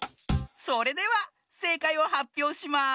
それではせいかいをはっぴょうします。